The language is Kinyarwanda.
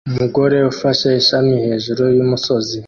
Umugore ufashe ishami hejuru yumusozi